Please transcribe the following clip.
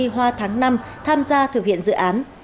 hoa tháng năm tham gia thực hiện dự án